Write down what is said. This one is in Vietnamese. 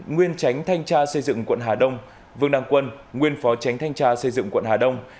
nguyên tránh thanh tra xây dựng quận hà đông vương đăng quân nguyên phó tránh thanh tra xây dựng quận hà đông